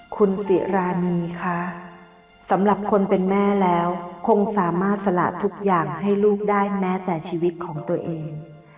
คุณสิรานีคะสำหรับคนเป็นแม่แล้วคงสามารถสละทุกอย่างให้ลูกได้แม้แต่ชีวิตของตัวเอง